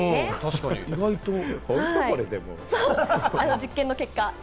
実験の結果です。